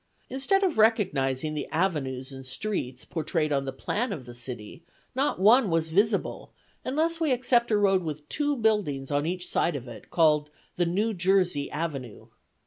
Instead of recognizing the avenues and streets, pourtrayed on the plan of the city, not one was visible, unless we except a road with two buildings on each side of it, called the New Jersey Avenue.